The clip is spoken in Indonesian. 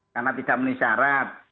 karena tidak menisyarat